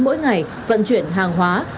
mỗi ngày vận chuyển hàng hóa